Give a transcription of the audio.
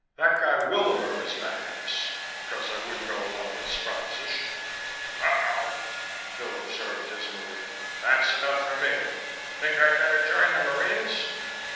That guy Willamer is back of this because I wouldn't go along with his proposition." "Oh oh!" Phil observed dismally. "That's enough for me. Think I'd better join the Marines?"